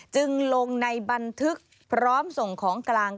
จึงลงในบันทึกพร้อมส่งของกลาง